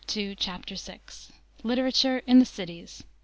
CHAPTER VI. LITERATURE IN THE CITIES.